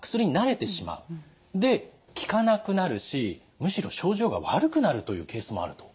で効かなくなるしむしろ症状が悪くなるというケースもあると。